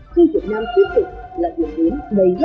khi việt nam tiếp tục là diễn biến đầy hấp dẫn